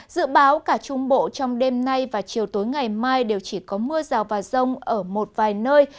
dự báo cả trung bộ trong đêm nay và chiều tối ngày mai đều chỉ có mưa rào và rông ở một vài nơi